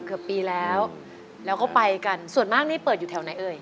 เกือบปีแล้วแล้วก็ไปกันส่วนมากนี่เปิดอยู่แถวไหนเอ่ย